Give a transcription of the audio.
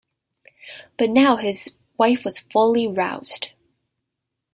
But now his wife was fully roused.